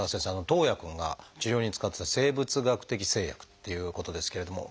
徳文くんが治療に使ってた生物学的製剤っていうことですけれども。